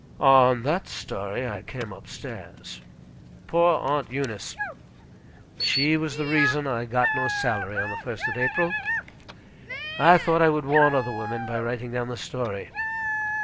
On that story I came up stairs. Poor Aunt Eunice! She was the reason I got no salary on the 1st of April. I thought I would warn other women by writing down the story.